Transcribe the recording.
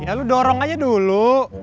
ya lo dorong aja dulu